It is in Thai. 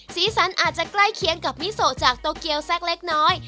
สีสันอาจจะใกล้เคียงกับมิโซจากโตเกียวสักเล็กน้อย